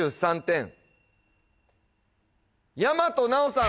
大和奈央さん